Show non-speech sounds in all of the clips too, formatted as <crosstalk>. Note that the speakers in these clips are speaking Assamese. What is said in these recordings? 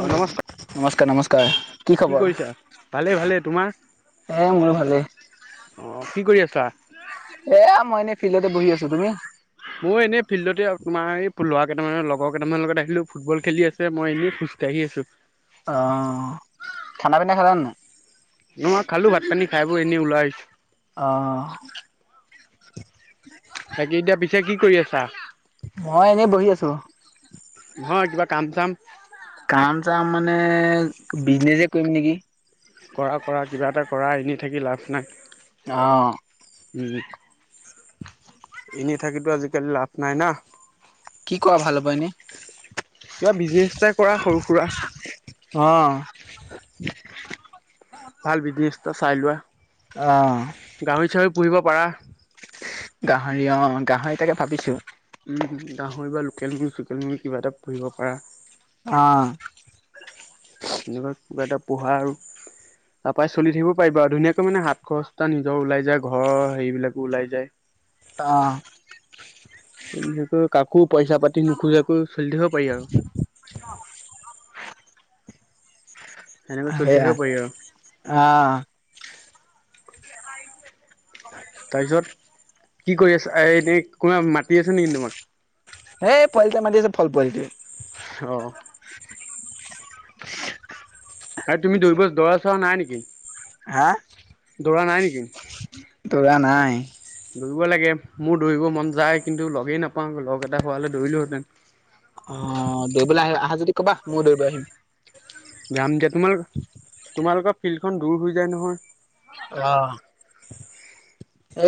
অ নমস্কাৰ নমস্কাৰ, নমস্কাৰ। কি খবৰ? কৰিছা ভালেই ভালেই তোমাৰ হে মোৰো ভালেই। অ', কি কৰি আছা? এয়া মই এনে ফিল্ডতে বহি আছো, তুমি? মই এনেই ফিল্ডতে তোমাৰ এই লৰা কেইটামানৰ লগৰ কেইটামান লগত আহিলো ফুটবল খেলি আছে, মই এনেই খোজকাঢ়ি আছো। অ', খানা পিনা খালা নাই? ন মই খালোঁ ভাত-পানী। খাই বৈ এনেই ওলাই আহিছোঁ। অ'। বাকী এতিয়া পিছে কি কৰি আছা? মই এনেই বহি আছো নহয় কিবা কাম-চাম! কাম চাম মানে বিজনেজেই কৰিম নেকি! কৰা কৰা, কিবা এটা কৰা। এনেই থাকি লাভ নাই। অ'। উম, এনেই থাকিতো আজিকালি লাভ নাই না। কি কৰা ভাল হ'ব এনেই? কিবা বিজনেজ এটা কৰা সৰু সুৰা। অ', ভাল বিজনেছটা চাই লোৱা। অহ। ফুৰিব পাৰা। গাহৰি অ', গাহৰি তাকে ভাবিছোঁ। গাহৰি বা লোকেল মুৰ্গী, চোকেল মুৰ্গী কিবা এটা পুহিব পাৰা। অ'। এনেকুৱা কিবা এটা পোহা আৰু! তাৰ পৰাই চলি থাকিব পাৰিবা আৰু। ধুনীয়াকৈ মানে হাত খৰচ এটা নিজৰ ওলাই যায়, ঘৰৰ হেৰিবিলাকো ওলাই যায়। অ'। এনেকৈ কাকো পইচা-পাতি নোখোজাকৈ চলি থাকিব পাৰি আৰু! সেনেকৈ চলি সেয়া থাকিব পাৰি আৰু অ'। তাৰপিছত? কি কৰি আছা? আ', এনেই কোনোবাই মাতি আছে নেকিন তোমাক? হেই পোৱালিটোয়ে মাটি আছে, ফল পোৱালিটোৱে। অ'। এই তুমি দৌৰিব-দৌৰা চৌৰা নাই নেকি? হা? দৌৰা নাই নেকি? দৌৰা নাই। দৌৰিব লাগে। মোৰ দৌৰিব মন যায়, কিন্তু লগেই নাপাওঁ। লগ এটা হোৱা হ'লে দৌৰিলোহেঁতেন। অ', দৌৰিবলৈ আহা-আহা যদি ক'বা। ময়ো দৌৰিব আহিম। যাম দিয়া। তোমালোক-তোমালোকৰ ফিল্ডখন দূৰ হৈ যায় নহয়! অ'।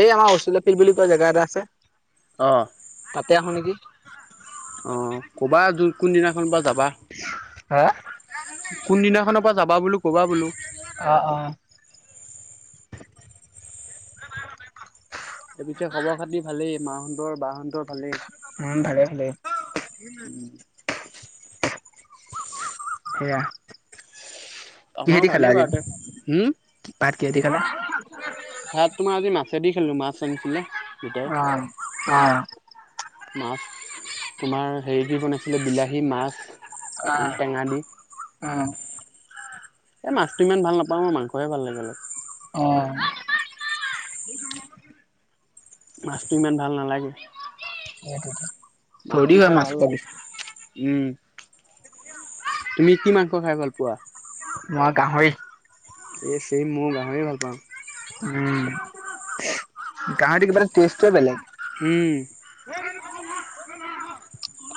এই আমাৰ অচুলাপিল বুলি কোৱা জেগা এটা আছে। অ'। তে আহোঁ নেকি! অ', ক'বা। জোন-কোনদিনাখনবা যাবা! হা কোন দিনাখনৰ পৰা যাবা বোলো ক'বা বোলো। আ', অ'। এ', পিছে খবৰ খাতি ভালেই। মাহঁতৰ, বাহঁতৰ ভালেই। উম', ভালে ভালেই। সেইয়া। আমাৰো কিহেদি খালা ভালেই আজি? বাৰু তে হম ভাত কিহেদি খালা? ভাত তোমাৰ আজি মাছেদি খালোঁ। মাছ আনিছিলে। দেউতাই অ', অ'। মাছ তোমাৰ হেৰি দি বনাইছিলে, বিলাহী মাছ। অ অকন টেঙা দি। অ এই মাছটো ইমান ভাল নাপাওঁ মই, মাংসহে ভাল লাগে অলপ। অ'। মাছটো ইমান ভাল নালাগে। সেইটোয়েতো। থৰি মাছটো দি হয় খাই মাছ ভাল লাগে পালিছ! উম', তুমি কি মাংস খাই ভাল পোৱা? মই গাহৰি এ চেম, মইও গাঁহৰিয়ে ভাল পাওঁ। উম গাহৰিটো কিবা টেষ্টটোয়ে বেলেগ। হম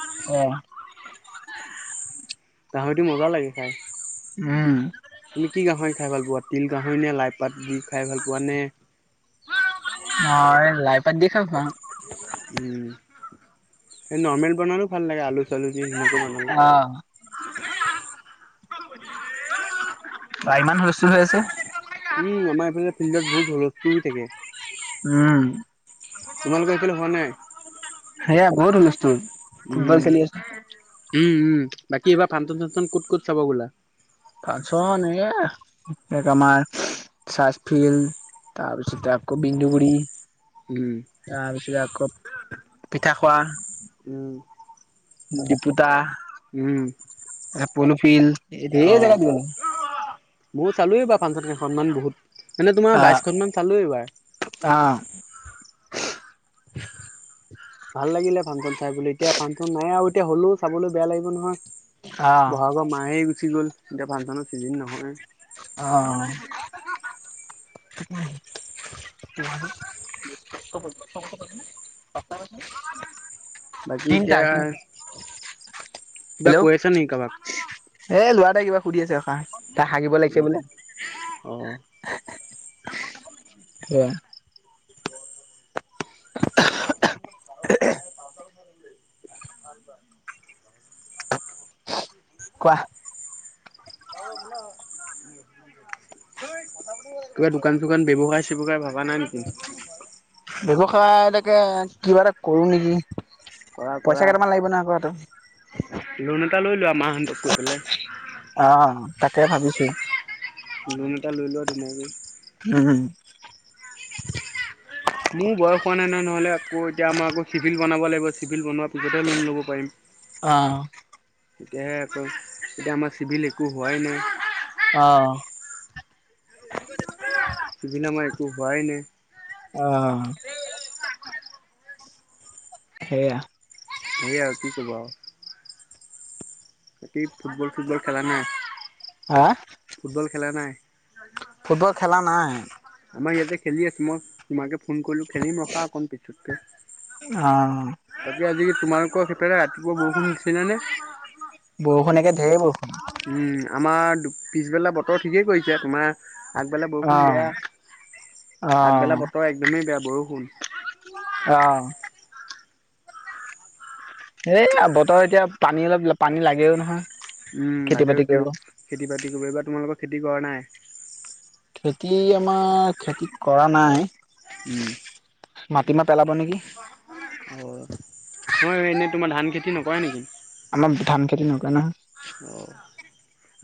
উ <unintelligible> গাহৰিতো মজা লাগে খাই। উম তুমি কি গাহৰি খাই ভাল পোৱা? তিল গাহৰি নে? লাই পাত দি খাই ভাল পোৱা নে? মই লাই পাত দি খাল পাওঁ। উম', এই নৰ্মেল বনালেও ভাল লাগে আলু চালু দি হেনে অ'। বা ইমান হুলস্থূল হৈ আছে! উম', আমাৰ এইফালে ফিল্ডত বহুত হুলস্থুল হৈ থাকে। উম'। তোমালোকৰ এইফালে হোৱা নাই। সেয়া বহুত হুলস্থুল। ফুটবল উম খেলি আছে উম উম বাকী এইবাৰ ফাঞ্চন চাঞ্চন ক'ত ক'ত চাব গ'লা? ফাঞ্চন এয়া ইয়াত আমাৰ ৰ্চাচফিল্ড, তাৰপিছতে আকৌ বিন্দু গুড়ি উম। তাৰপিছত আকৌ পিঠা খোৱা উম দীপোটা উম প'ল ফিলড, ঢেৰ জেগাত গ'লো। মইও চালো এইবাৰ ফাঞ্চন কেইখনমান বহুত মানে তোমাৰ আহ বাইশখনমান চালো এইবাৰ। আহ উ <unintelligible> ভাল লাগিলে ফাঞ্চন চাই বোলো, এতিয়া ফাঞ্চন নাই আৰু এতিয়া হ'লেও চাবলৈ বেয়া লাগিব নহয়। বহাগৰ মা'হেই গুচি গ'ল, এতিয়া ফাংচনৰ চিজন নহয়। অ' <inaudible> <unintelligible> বাকী এতিয়া কিবা হেল্ল' কৈ আছা নেকি কাৰোবাক। এ ল'ৰা কিবা সুধি আছে ৰখা, তাৰ হাগিব লাগিছে বোলে। অ অ যোৱা। <inaudible> <unintelligible> কোৱা। অ <unintelligible> কিবা দোকান-চোকান ব্যৱসায়-চেৱসায় ভবা নাই নেকি? ব্যৱসায়‌ এটাকে কিবা এটা কৰোঁ নেকি? কৰা কৰা পইচা কেইটামান লাগিব নহয় আকৌ হাতত। লোন এটা লৈ লোৱা মাহ'তক কৈ পেলাই। অ' তাকে ভাবিছোঁ। লোন এটা লৈ লোৱা ধুনীয়াকৈ। উম <inaudible> মোৰ বয়স হোৱা নাই নহয়, নহ'লে আকৌ এতিয়া আমাৰ আকৌ চিভিল বনাব লাগিব, চিভিল বনোৱাৰ পিছতহে লোন ল'ব পাৰিম। অ' তেতিয়াহে আকৌ, এতিয়া আমাৰ চিভিল একো হোৱাই নাই। অ' <unintelligible> অ' সেইয়া। সেই আৰু কি কবা আৰু। বাকি ফুটবল চুটবল খেলা নাই? হা ফুটবল খেলা নাই? ফুটবল খেলা নাই। আমাৰ ইয়াতে খেলি আছোঁ, মই তোমাকে ফোন কৰিলো খেলিম ৰখা অকণ পিছতকে। অ তাকে আজি তোমালোকৰ সেইপিনে ৰাতিপুৱা বৰষুণ দিছিলে নে? বৰষু, একে ধেৰ বৰষুণ। আমাৰ পিছবেলা বতৰ ঠিকেই কৰিছে তোমাৰ‌ আগবেলা বৰষুণ বেয়া অ আগবেলা বতৰ একদমেই বেয়া বৰষুণ। অ' এইয়া বতৰ এতিয়া পানী অলপ পানী লাগেও নহয়। উম, খেতি লাগেও বাতি কৰিব। এতিয়াও খেতি-বাতি কৰিব, তোমালোকৰ খেতি কৰা নাই‌? খেতি আমাৰ খেতিত কৰা নাই মাটিমাহ পেলাব নেকি? হয় এনে তোমাৰ ধান খেতি নকৰে নেকি? আমাৰ ধান খেতি নকৰে নহয়। অঁ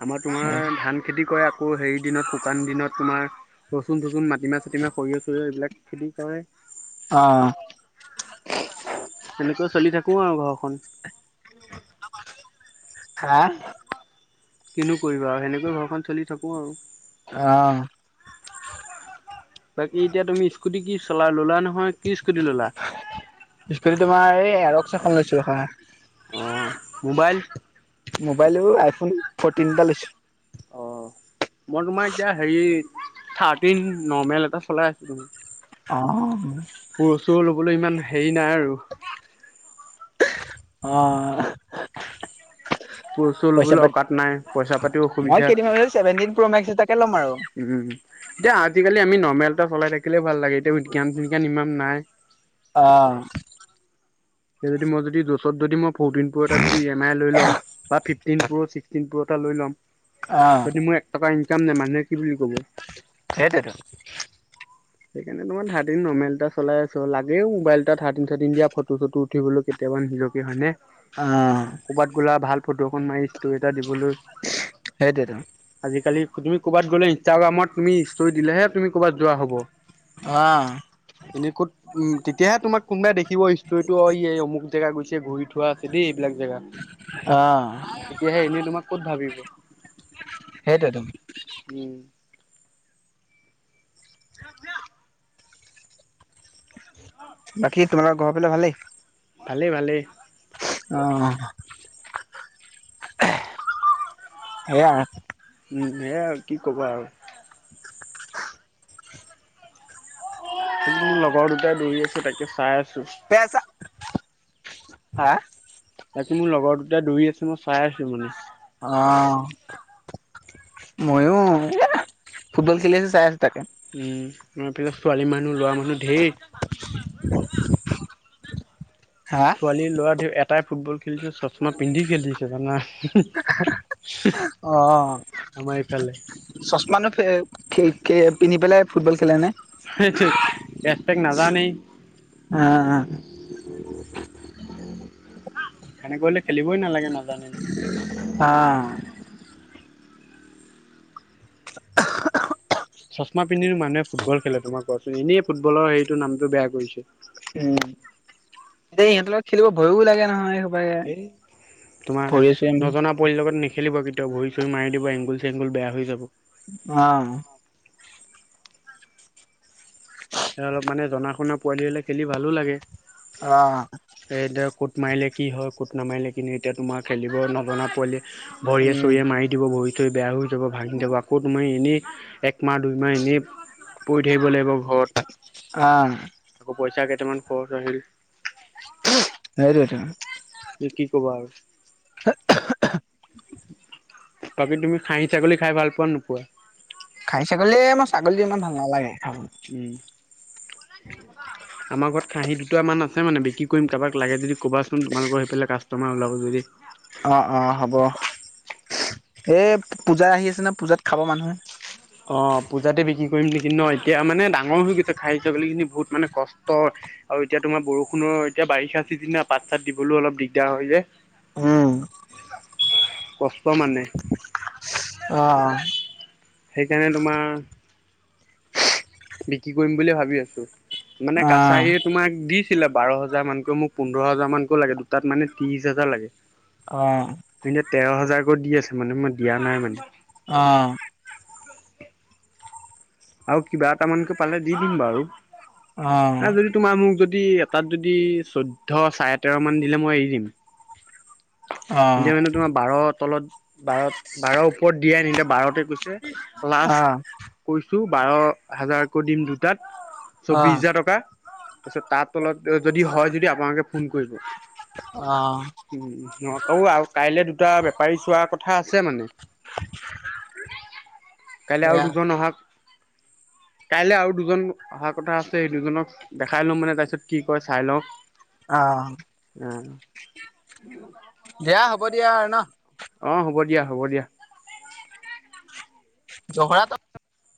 আমাৰ নহয়। তোমাৰ ধান খেতি কৰে। আকৌ হেৰিৰ দিনত শুকান দিনত তোমাৰ ৰচুন- চচুন, মাটিমাহ-চাাটিমাহ, সৰিয়হ-চৰিয়হ এইবিলাক খেতি কৰে। অ' সেনেকৈ চলি থাকোঁ আৰু ঘৰখন‌। হা? কিনো কৰিবা আৰু সেনেকৈ ঘৰখন চলি থাকো আৰু। আহ। বাকী এতিয়া তুমি স্কুটি কি চলা ল'লা নহয়? কি স্কুটি ল'লা? স্কুটি তোমাৰ এই এৰক্স এখন লৈছো। অ' মোবাইল‌? মোবাইল আইফোন ফৰ্টিন এটা লৈছোঁ ‌। অ'। মই তোমাৰ এতিয়া হেৰি থাৰ্টিন নৰ্মেল এটা চলাই আছোঁ। অ'। প্ৰ চ' ল'বলৈ ইমান হেৰি নাই আৰু। অ <unintelligible> <inaudible> প্ৰু চু পইচা লবলৈ পাতি অকাত নাই পইচা পাতিও মই অসুবিধা কেইদিনমান পিছত ছেভেনটিন প্ৰ' মেক্স এটাকে ল'ম আৰু উম। এতিয়া আজিকালি আমি নৰ্মেল এটা চলাই থাকিলে ভাল লাগে এতিয়া বিজ্ঞান চিজ্ঞান ইমান নাই। অ'। এতিয়া যদি মই যদি যচৰত যদি মই ফৰটিন দিন প্ৰ' এটা যদি ই এম আই লৈ ল'ম বা ফিফ ফিফটিন প্ৰ' চিক্টিন ফো এটা লৈ লও অ' যদি মোৰ এক টকা এটা ইনকাম নাই মানুহে কি বুলি ক'ব। সেইতোইতো। সেইকাৰণে তোমাৰ ৰ্থাতিন নৰ্মেল এটা চলাই আছো। লাগেও মোবাইল এটা ৰ্থাটিন চাৰ্তিন ফটো চটো উঠিবলৈ কেতিয়াবা হয় ভ ফ অ' <unintelligible> কৌৰবাত গলা ভাল ফটৌ এখন মাৰি ইচতোৰিত দি বোলো সেইটোৱেতো আজিকালি। তুমি ক'বাত গলে ইনষ্টাগ্ৰামত তুমি ষ্টৰি দিলে তুমি ক'বাত যোৱা হব। অ' এনেই ক'ত উম। তেতিয়াহে তোমাক কোনোবাই দেখিব ষ্টৰিটো অ' এই অুক জেগা গৈছে ঘূৰি থোৱা আছে দেই। এইবিলাক জেগাত অ' তেতিয়াহে এনে তোমাক ক'ত ভাবিব। সেইটোৱে তো। উম <unintelligible> বাকী তোমালৰ ঘৰ পালে ভালেই। ভালে ভালে। অ সেয়া সেয়াই আৰু কি ক'বা আৰু। মোৰ লগৰ দুটাই দৌৰি আছো তাকে চাই আছ তেচা হা তাকে মোৰ লগৰ দুটা দৌৰি আছে মই চাই আছো মানে। অ' ময়ো ফুটবল খেলি আছো চাই তাকে উ, তাৰ পিছত ছোৱালী মানুহ ল'ৰা মানুহ ধেৰ হা ছোৱালী লৰা ধ এটাই ফুটবল খেলিছে চশমা পিন্ধি খেলিছে জানা। অ' আমাৰ এইফালে। চচমানো খ কে পিনি পেলাই ফুটবল খেলে নে? সেটো কেছপেক নাজানেই। অ <inaudible> সেনে কৰিলে খেলিবই নালাগে নাজানিলে। হা চশমা পিন্ধিল মানুহে ফুটবল খেলে তোমাৰ কোৱাচোন এনেই ফুটবলৰ সেইটো নামটো বেয়া কৰিছে। এতিয়া ইহঁতৰ লগত খেলিব ভয়ো লাগে নহয়, সেইসোপ এ তোমাৰ নজনা পোৱালি লগত নেখ খেলিব কেতিয়া ভৰি চৰি মাৰি দিব এংগুল চেংগুল বেয়া হৈ যাব। অ। স অলপ মান জনা শুনা পোৱালি হলে খেলি ভালো লাগে অ সেইদ কুট মাৰিলে কি হয় ক'ত কুট নামাৰিলে কিন্তু এতিয়া তোমাৰ খেলিব নজনা পোৱালি ভৰিয়ে উম চৰিয়ে মাৰি দিব ভৰি বেয়া হৈ যাব ভাঙি যাব আকৌ তোমাৰ এনেই একমাহ দুইমাহ এনেই পৰি থাকিব লাগিব ঘৰত অ তাক পইচা কেইটামান খৰচ হৈছিল হেইটোৱ টো কি ক'বা আৰু <unintelligible> বাকী তুমি খাহী ছাগলী খাই ভাল পোৱা নোপোৱা খাই ছাগলী য়ে আ মোৰ ছাগলী ইমান ভাল নালাগে খাব উম। <unintelligible> আমাৰ ঘৰত খাঁহী দুটামান আছে মানে বিক্ৰী কৰিম কাৰোবাক লাগে যদি ক'বাচোন তোমালোকৰ সেইফালে কাষ্টমাৰ ওলাব যদি অ অ হ'ব এই পূজা আহি আছে না পূজাত খাব মানুহে অ' পূজাতে বিক্ৰী কৰিম নেকি ন এতিয়া মানে ডাঙৰ হৈ গৈছে খাহী চাগলিজনী বহুত মানে কষ্ট আৰু এতিয়া টো আমাৰ বৰষুণৰ এতিয়া বাৰিষা চিজন না পাত চাত দিবলৈও অলপ দিগদাৰ হয় যে উম কষ্ট মানে আহ সেইকাৰণে তোমাৰ বিক্ৰী কৰিম বুলিয়ে ভাবি আছো মানে অ কাছাৰী তোমাক দি আছিলে বাৰ হাজাৰ মানকৈ মোক পোন্ধৰ হাজাৰ মানকৈ লাগে দুটাত মানে ত্ৰিশ হাজাৰ লাগে অহ এতিয়া তেৰ হাজাৰকৈ দি আছে মানে মই দিয়া নাই মানে অহ আও কিবা এটা মানকে পালে দি দিম বাৰু অ অ নাই যদি তোমাৰ মোক যদি যদি এটাত যদি চৈধ্য চাৰে তেৰ মান দিলে মই এৰি দিম অ', এতিয়া মানে তোমাৰ বাৰ তলত বাৰ বাৰৰ ওপৰত দিয়াই নাই এতিয়া বাৰতে কৈছে লাষ্ট অ', কৈছো, বাৰ হাজাৰকৈ দিম দুটাত। চৌবিছ অ', হাজাৰ টকা। তাৰপিছত তাৰ তলত যদি হয় যদি আপোনালোকে ফোন কৰিব। অ', উম, স অও আৰু কাইলে দুটা বেপাৰী চোৱাৰ কথা আছে মানে। কাইলৈ আৰু সেয়া দুজন অহা কাইলে আৰু দুজন অহা কথা আছে সেই দুজনক দেখাই লম মানে তাৰপিছত কি কয় চাই লওঁ অহ <unintelligible> দিয়া হ'ব দিয়া আৰু ন অ হ'ব দিয়া হ'ব দিয়া জহৰাট <unintelligible>